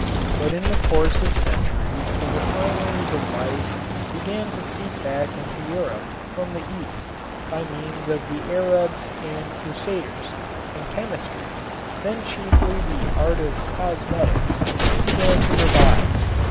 But in the course of centuries the refinements of life began to seep back into Europe from the East by means of the Arabs and Crusaders, and chemistry, then chiefly the art of cosmetics, began to revive.